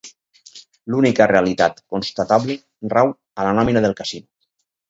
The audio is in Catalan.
L'única realitat constatable rau a la nòmina del casino.